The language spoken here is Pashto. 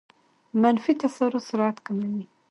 منفي تسارع سرعت کموي.